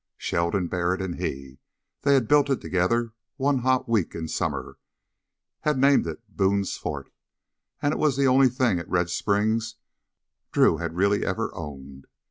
Sheldon Barrett and he they had built it together one hot week in summer had named it Boone's Fort. And it was the only thing at Red Springs Drew had really ever owned.